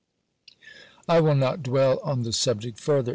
I will not dwell on the subject further.